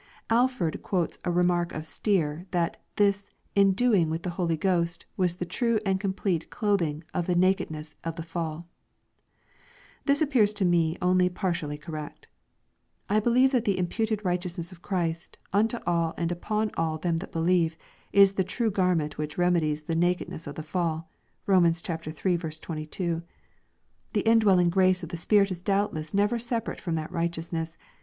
Alford quotes a remark of Stier, that this " enduing with the Holy Ghost, was the true and complete clothing of fiie naked ness of the fall" This appears to me only partially correct. I be lieve the " imputed righteousness of Christ, unto all and upon all them that believe," is the true garment which remedies the naked ness of the fall (Rom. iii. 22.) The indwelling grace of the Spirit is doubtless never separate from that righteousness.